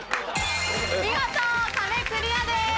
見事壁クリアです。